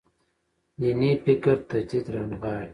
دیني فکر تجدید رانغاړي.